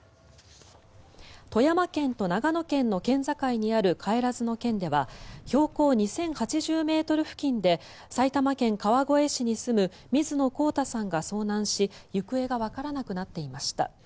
富山県と長野県の県境にある不帰嶮では標高２０８０ｍ付近で埼玉県川越市に住む水野孝太さんが遭難し行方がわからなくなっていました。